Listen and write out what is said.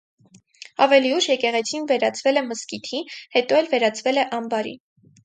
Ավելի ուշ եկեղեցին վերածվել է մզկիթի, հետո էլ վերածվել է ամբարի։